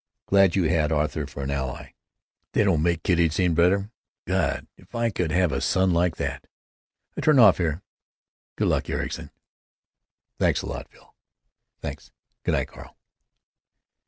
Glad you had Arthur for ally. They don't make kiddies any better. God! if I could have a son like that——I turn off here. G good luck, Ericson." "Thanks a lot, Phil." "Thanks. Good night, Carl."